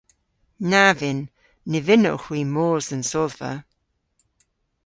Na vynn. Ny vynnowgh hwi mos dhe'n sodhva